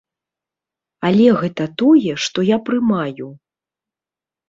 Але гэта тое, што я прымаю.